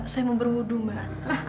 saya mau berbudu mbak